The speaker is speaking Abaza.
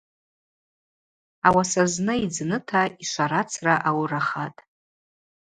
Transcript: Ауаса зны йдзныта йшварацра ауырахатӏ.